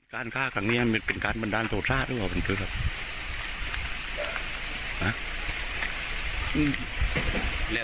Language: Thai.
การฆ่าข้างเนี่ยมีเป็นการบรรดาโทษภาพด้วยหรือเป็นคือแหละ